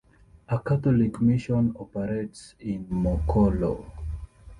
A Catholic mission operates in Mokolo.